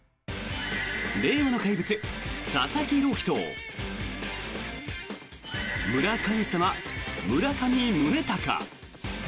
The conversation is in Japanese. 令和の怪物、佐々木朗希と村神様、村上宗隆。